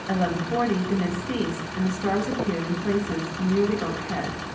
40 the mist ceased and the stars appeared in places nearly over head.